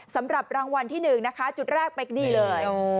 สำหรับรางวัลที่๑นะคะจุดแรกเป๊กนี่เลย